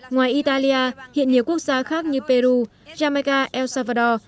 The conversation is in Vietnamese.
ngoài italia hiện nhiều quốc gia khác như peru jamaica el salvador